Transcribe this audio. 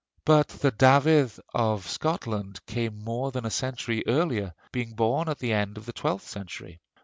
But the Dafydd of Scotland came more than a century earlier, being born at the end of the twelfth century.